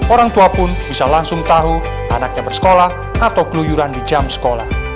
orang tua pun bisa langsung tahu anaknya bersekolah atau keluyuran di jam sekolah